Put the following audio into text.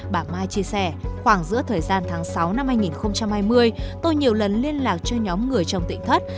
bà mai chia sẻ khoảng giữa thời gian tháng sáu năm hai nghìn hai mươi tôi nhiều lần liên lạc cho nhóm người chồng tịnh thất